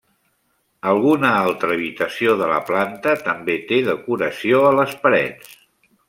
Alguna altra habitació de la planta també té decoració a les parets.